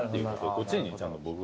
こっちにちゃんと僕が。